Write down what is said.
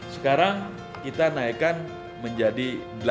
sekarang kita naikkan menjadi delapan